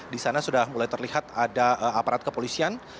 di sana sudah mulai terlihat ada aparat kepolisian